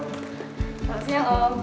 kau siapa om